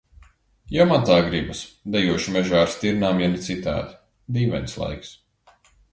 Jo man tā gribas. Dejošu mežā ar stirnām, ja ne citādi. Dīvains laiks.